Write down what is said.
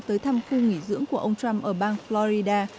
tới thăm khu nghỉ dưỡng của ông trump ở bang florida